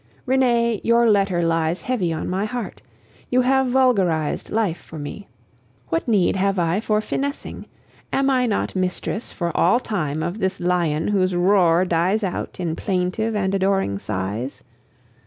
Renee, your letter lies heavy on my heart; you have vulgarized life for me. What need have I for finessing? Am I not mistress for all time of this lion whose roar dies out in plaintive and adoring sighs?